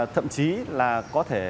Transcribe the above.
thậm chí là có thể